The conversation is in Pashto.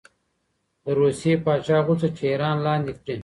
د روسیې پاچا غوښتل چې ایران لاندې کړي.